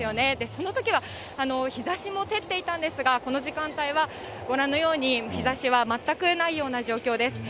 そのときは、日ざしも照っていたんですが、この時間帯は、ご覧のように、日ざしは全くないような状況です。